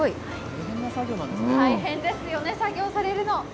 大変ですよね、作業されるの。